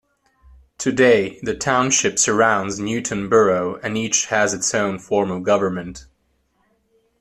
Today, the Township surrounds Newtown Borough and each has its own form of government.